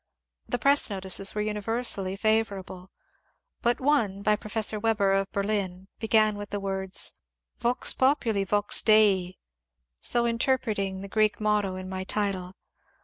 The press notices were univer sally favourable. But one, by Professor Weber of Berlin, be gan with the words, "Vox populi vox dei," so interpreting the Greek motto in my title.